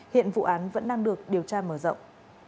hiện vụ án vẫn đang được điều tra mở rộng